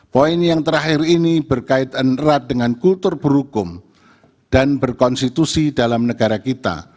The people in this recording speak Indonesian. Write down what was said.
poin yang terakhir ini berkaitan erat dengan kultur berhukum dan berkonstitusi dalam negara kita